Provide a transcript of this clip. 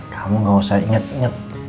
kamu gak usah inget inget